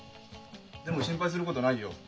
でも心配することないよ。